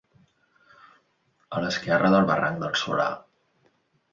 A l'esquerra del barranc del Solà.